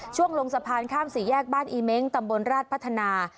ลงสะพานข้ามสี่แยกบ้านอีเม้งตำบลราชพัฒนา